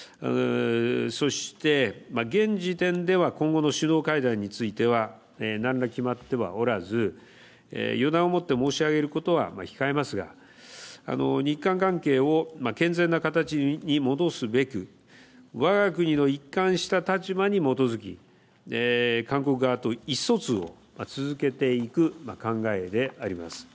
そして現時点では今後の首脳会談については何ら決まってはおらず予断を持って申し上げることは控えますが日韓関係を健全な形に戻すべくわが国の一貫した立場に基づき韓国側と意思疎通を続けていく考えであります。